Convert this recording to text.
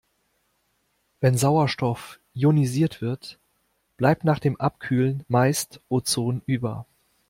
Wenn Sauerstoff ionisiert wird, bleibt nach dem Abkühlen meist Ozon über.